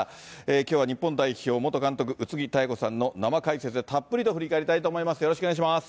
きょうは日本代表元監督、宇津木妙子さんの生解説でたっぷりと振り返りたいと思います。